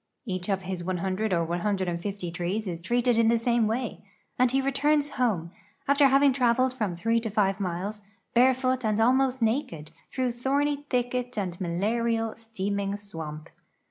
Each of his 100 or 150 trees is treated in the same way, and he returns home, after having traveled from 3 to 5 miles, barefoot and almost naked, through thorny thicket and malarial, steaming swamp.